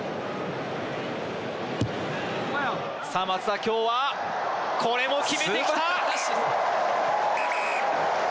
さあ、松田、きょうは、これも決めてきた。